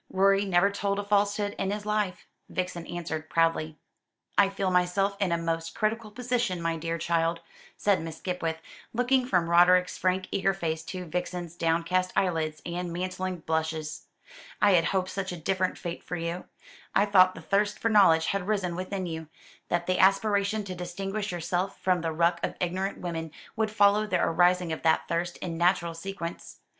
"Rorie never told a falsehood in his life," Vixen answered proudly. "I feel myself in a most critical position, my dear child," said Miss Skipwith, looking from Roderick's frank eager face to Vixen's downcast eyelids and mantling blushes. "I had hoped such a different fate for you. I thought the thirst for knowledge had arisen within you, that the aspiration to distinguish yourself from the ruck of ignorant women would follow the arising of that thirst, in natural sequence.